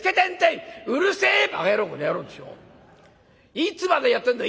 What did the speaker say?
いつまでやってんだ！